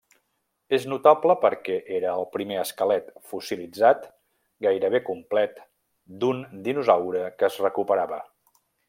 És notable perquè era el primer esquelet fossilitzat gairebé complet d'un dinosaure que es recuperava.